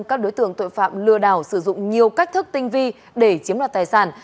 các đối tượng tội phạm lừa đảo sử dụng nhiều cách thức tinh vi để chiếm đoạt tài sản